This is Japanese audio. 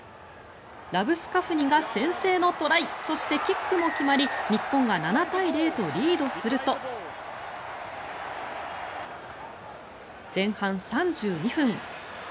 ラブスカフニが先制のトライそしてキックも決まり日本が７対０とリードすると前半３２分。